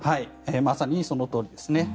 まさにそのとおりです。